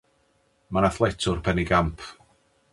Mae'n athletwr penigamp.